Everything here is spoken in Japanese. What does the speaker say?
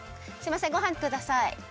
すいませんごはんください。